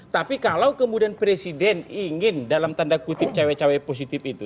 tapi kalau kemudian presiden ingin dalam tanda kutip cawe cawe positif itu